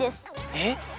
えっ！？